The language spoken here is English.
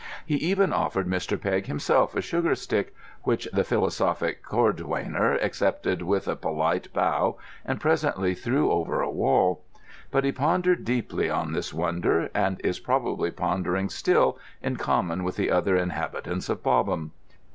He even offered Mr. Pegg himself a sugar stick, which the philosophic cordwainer accepted with a polite bow and presently threw over a wall. But he pondered deeply on this wonder, and is probably pondering still, in common with the other inhabitants of Bobham.